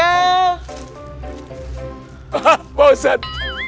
hah pak ustadz